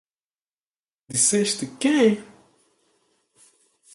Disseste "Quem"?